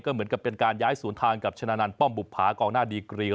เหมือนกับเป็นการย้ายศูนย์ทางกับชนะนันป้อมบุภากองหน้าดีกรี